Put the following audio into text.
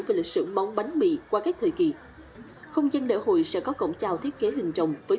về lịch sử món bánh mì qua các thời kỳ không gian lễ hội sẽ có cổng chào thiết kế hình trồng với